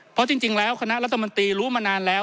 เพราะจริงแล้วคณะรัฐมนตรีรู้มานานแล้ว